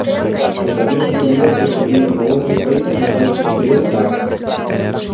Os avións superviventes serviron con outros países nos anos posteriores á guerra.